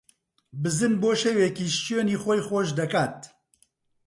بزن بۆ شەوێکیش شوێنی خۆی خۆش ئەکات